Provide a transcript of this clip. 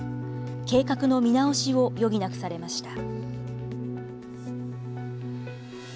計画の見直しを余儀なくされました。